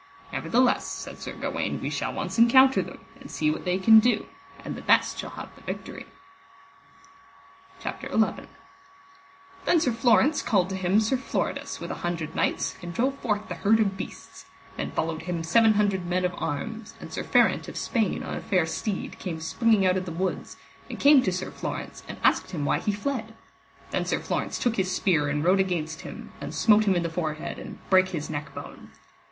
Nevertheless, said Sir Gawaine, we shall once encounter them, and see what they can do, and the best shall have the victory. CHAPTER XI. How the Saracens came out of a wood for to rescue their beasts, and of a great battle. Then Sir Florence called to him Sir Floridas, with an hundred knights, and drove forth the herd of beasts. Then followed him seven hundred men of arms; and Sir Ferant of Spain on a fair steed came springing out of the woods, and came to Sir Florence and asked him why he fled. Then Sir Florence took his spear and rode against him, and smote him in the forehead and brake his neck bone.